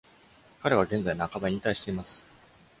彼は現在、半ば引退しています。